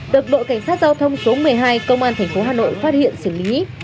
được đội cảnh sát giao thông số một mươi hai công an tp hà nội phát hiện xử lý